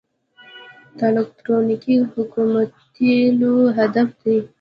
الکترونیکي حکومتولي هدف دی